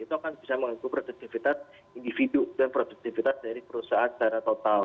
itu akan bisa mengganggu produktivitas individu dan produktivitas dari perusahaan secara total